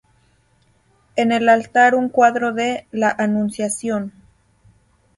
En el altar un cuadro de "La Anunciación".